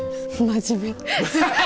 真面目。